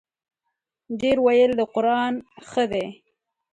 ـ ډېر ویل د قران ښه دی.